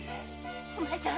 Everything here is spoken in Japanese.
お前さん